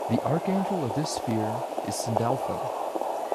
The Archangel of this sphere is Sandalphon.